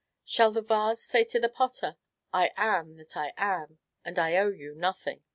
Shall the vase say to the potter, "I am that I am, and I owe you nothing"?